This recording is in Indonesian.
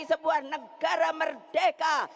sebuah negara merdeka